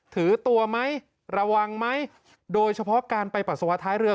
ถือตัวไหมระวังไหมโดยเฉพาะการไปปัสสาวะท้ายเรือ